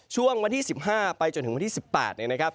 ช่วงวันที่๑๕ไปจนถึงวันที่๑๘เนี่ยนะครับ